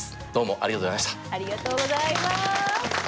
ありがとうございます。